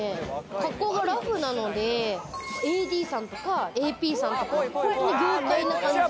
格好がラフなので、ＡＤさんとか、ＡＰさんとか、業界な感じ。